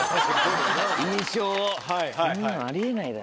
こんなのあり得ないだろ。